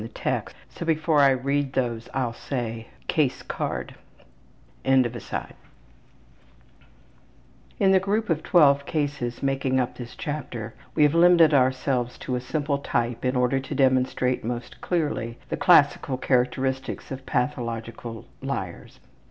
CHAPTER III CASES OF PATHOLOGICAL LYING AND SWINDLING In the group of twelve cases making up this chapter we have limited ourselves to a simple type in order to demonstrate most clearly the classical characteristics of pathological liars.